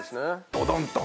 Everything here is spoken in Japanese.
ドドンと。